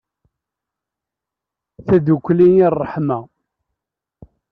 Tadukli i ṛṛeḥma.